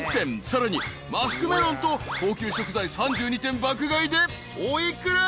［さらにマスクメロンと高級食材３２点爆買いでお幾ら？］